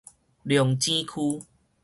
龍井區